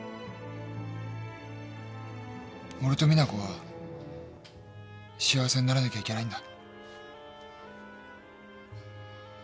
俺と実那子は幸せにならなきゃいけないんだ。